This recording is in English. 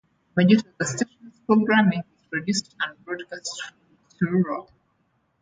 The majority of the station's programming is produced and broadcast from Truro.